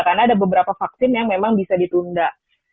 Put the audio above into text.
karena ada beberapa vaksin yang memang bisa ditunda